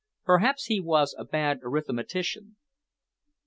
Perhaps he was a bad arithmetician.